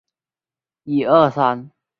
高雄人。